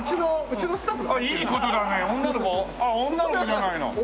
あっ女の子じゃないの。